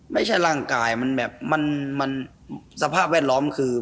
ไม่ใช่ร่างกายมันแบบมันสภาพแวดล้อมคือ